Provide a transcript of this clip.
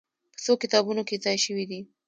په څو کتابونو کې ځای شوې دي.